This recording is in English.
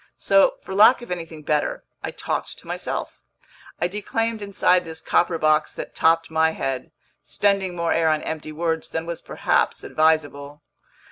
So, for lack of anything better, I talked to myself: I declaimed inside this copper box that topped my head, spending more air on empty words than was perhaps advisable.